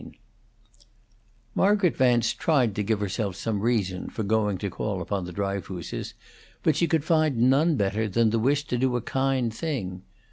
VII Margaret Vance tried to give herself some reason for going to call upon the Dryfooses, but she could find none better than the wish to do a kind thing.